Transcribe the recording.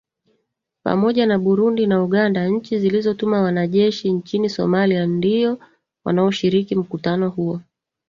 pamoja na burundi na uganda nchi zilizotuma wanajeshi nchini somalia ndio wanaoshiriki mkutano huo